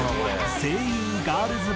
声優ガールズ